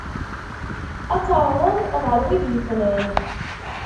Ad ternuḍ ɣer wid yefnan.